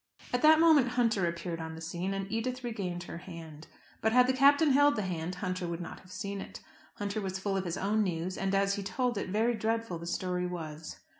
At that moment Hunter appeared upon the scene, and Edith regained her hand. But had the Captain held the hand, Hunter would not have seen it. Hunter was full of his own news; and, as he told it, very dreadful the story was.